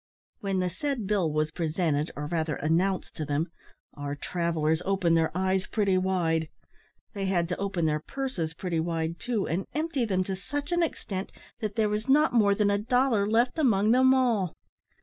When the said bill was presented, or rather, announced to them, our travellers opened their eyes pretty wide; they had to open their purses pretty wide too, and empty them to such an extent that there was not more than a dollar left among them all!